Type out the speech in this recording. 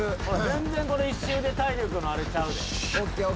全然この１周で体力のあれちゃうで。